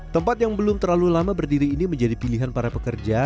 tempat yang belum terlalu lama berdiri ini menjadi pilihan para pekerja